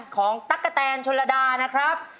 ตั๊กกะแตนชนระดานะครับ